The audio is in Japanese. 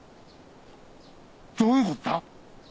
どういうことだ？